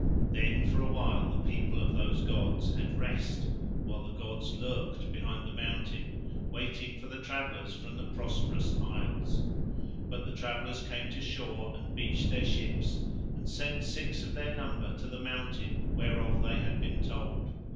Then for a while the people of those gods had rest while the gods lurked behind the mountain, waiting for the travellers from the Prosperous Isles. But the travellers came to shore and beached their ships, and sent six of their number to the mountain whereof they had been told.